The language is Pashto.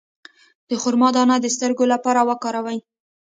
د خرما دانه د سترګو لپاره وکاروئ